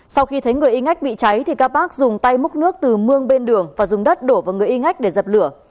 sau khi thấy người y ngách bị cháy kapat dùng tay múc nước từ mương bên đường và dùng đất đổ vào người y ngách để dập lửa